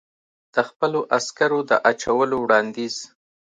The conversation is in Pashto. د خپلو عسکرو د اچولو وړاندیز.